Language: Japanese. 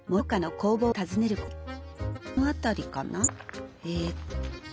この辺りかな？ええっとあ